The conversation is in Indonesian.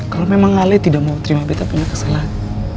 kalau memang alih tidak mau terima beta punya kesalahan